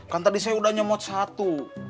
kan tadi saya udah nyemot satu